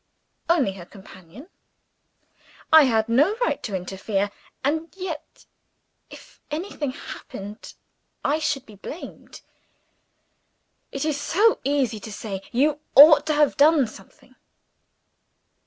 Only her companion. I had no right to interfere and yet, if anything happened, I should be blamed. It is so easy to say, "You ought to have done something."